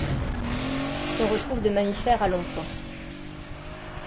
On retrouve de mammifères à Long Point.